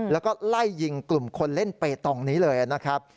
แล้วก็ไล่ยิงกลุ่มคนเล่นเปตองนี้เลยนะครับ